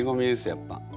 やっぱ。